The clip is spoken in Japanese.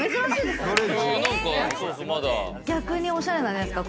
逆におしゃれなんじゃないですか？